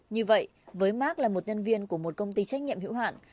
như vậy với mark là một nhân viên của một công ty trách nhiệm hữu hạn